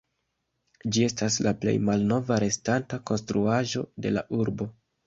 Ĝi estas la plej malnova restanta konstruaĵo de la urbo.